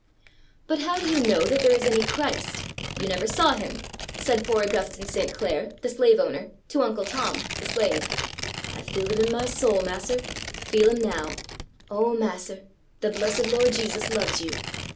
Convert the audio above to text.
'"But how do you know that there is any Christ? You never saw Him!" said poor Augustine St. Clare, the slave owner, to Uncle Tom, the slave. '"I feel it in my soul, mas'r feel Him now! Oh, mas'r, the blessed Lord Jesus loves you!"